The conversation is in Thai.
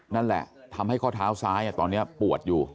นั่นแหละทำให้ข้อเท้าซ้ายตอนนี้ปวดอยู่